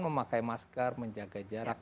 memakai masker menjaga jarak